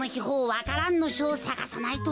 「わか蘭のしょ」をさがさないと。